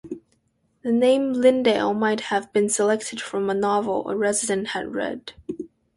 The name Lindale might have been selected from a novel a resident had read.